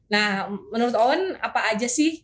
nah menurut owen apa aja sih